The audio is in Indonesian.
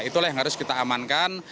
itulah yang harus kita amankan